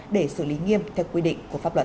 để xử lý nghiêm theo quy định của pháp luật